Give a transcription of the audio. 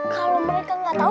kalau mereka ga tahu